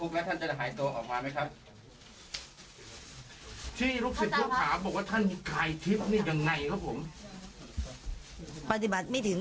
แม่ของแม่ชีอู๋ได้รู้ว่าแม่ของแม่ชีอู๋ได้รู้ว่า